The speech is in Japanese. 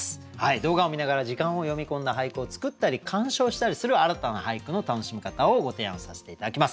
動画を観ながら時間を詠み込んだ俳句を作ったり鑑賞したりする新たな俳句の楽しみ方をご提案させて頂きます。